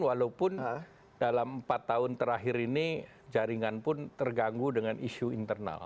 walaupun dalam empat tahun terakhir ini jaringan pun terganggu dengan isu internal